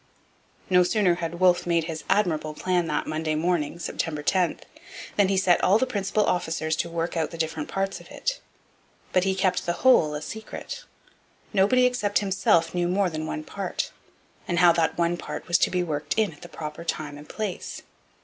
No sooner had Wolfe made his admirable plan that Monday morning, September 10, than he set all the principal officers to work out the different parts of it. But he kept the whole a secret. Nobody except himself knew more than one part, and how that one part was to be worked in at the proper time and place.